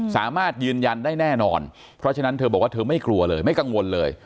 สามารถยืนยันได้แน่นอนเพราะฉะนั้นเธอบอกว่าเธอไม่กลัวเลยไม่กังวลเลย